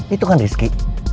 itu kan rizky